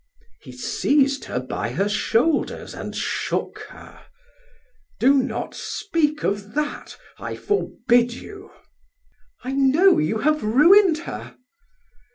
He seized her by her shoulders and shook her. "Do not speak of that; I forbid you." "I know you have ruined her!"